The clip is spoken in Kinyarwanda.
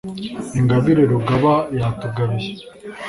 Ingabire Rugaba yatugabiye!